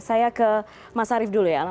saya ke mas arief dulu ya